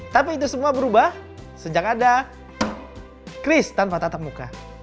tapi itu semua berubah sejak ada kris tanpa tatap muka